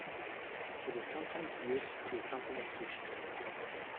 It is sometimes used to accompany sushi.